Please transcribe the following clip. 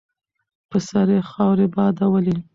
په سر یې خاورې بادولې.